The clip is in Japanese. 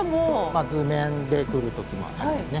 図面で来る時もありますね。